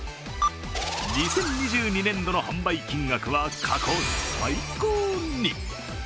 ２０２２年度の販売金額は過去最高に。